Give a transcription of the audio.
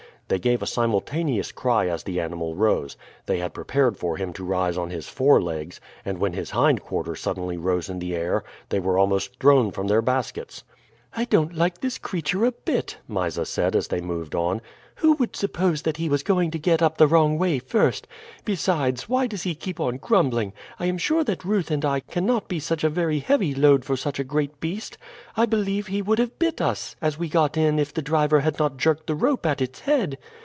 They gave a simultaneous cry as the animal rose. They had prepared for him to rise on his fore legs, and when his hind quarter suddenly rose in the air they were almost thrown from their baskets. "I don't like this creature a bit," Mysa said as they moved on. "Who would suppose that he was going to get up the wrong way first? Besides, why does he keep on grumbling? I am sure that Ruth and I cannot be such a very heavy load for such a great beast. I believe he would have bit us as we got in if the driver had not jerked the rope at its head.